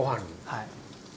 はい。